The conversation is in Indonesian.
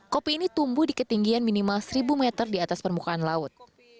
kopi ini tumbuh di ketinggian minimal seribu meter di atas permukaan laut